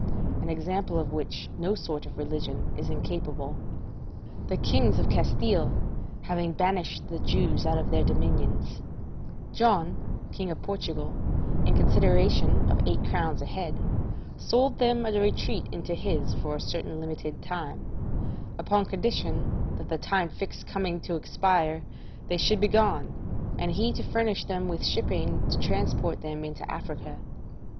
An example of which no sort of religion is incapable. The kings of Castile having banished the Jews out of their dominions, John, King of Portugal, in consideration of eight crowns a head, sold them a retreat into his for a certain limited time, upon condition that the time fixed coming to expire they should begone, and he to furnish them with shipping to transport them into Africa.